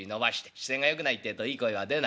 姿勢がよくないってえといい声は出ないから。